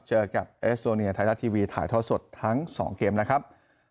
เจอกับเอสโตเนียไทยรัฐทีวีถ่ายทอดสดทั้ง๒เกมนะครับ